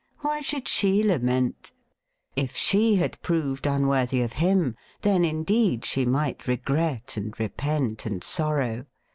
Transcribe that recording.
Why should she lament ? If she had proved unworthy of him, then indeed she might regret and repent and sorrow.